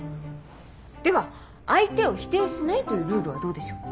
では「相手を否定しない」というルールはどうでしょう？